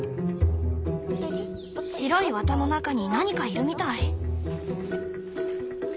白い綿の中に何かいるみたい。